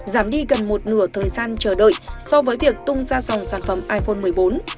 giảm đi gần một nửa thời gian chờ đợi so với việc tung ra dòng sản phẩm iphone một mươi bốn